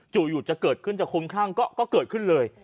อยู่จะเกิดขึ้นจะคุ้มครั่งก็เกิดขึ้นเลย